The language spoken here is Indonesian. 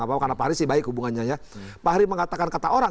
pak hri mengatakan kata orang